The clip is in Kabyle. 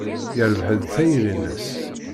Yerbeḥ-d tayri-nnes.